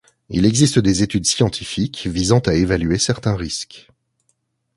Il existe des études scientifiques visant à évaluer certains risques.